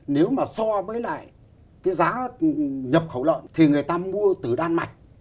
nếu mà so với lại cái giá nhập khẩu lợn thì người ta mua từ đan mạch